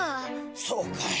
そうかい。